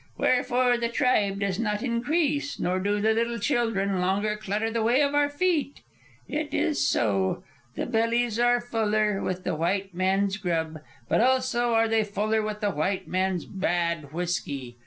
Wherefore the tribe does not increase, nor do the little children longer clutter the way of our feet. It is so. The bellies are fuller with the white man's grub; but also are they fuller with the white man's bad whiskey.